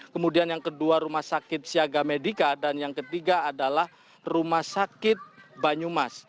kemudian yang kedua rumah sakit siaga medica dan yang ketiga adalah rumah sakit banyumas